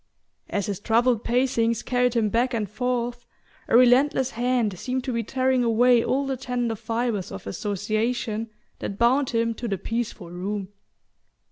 As his troubled pacings carried him back and forth a relentless hand seemed to be tearing away all the tender fibres of association that bound him to the peaceful room.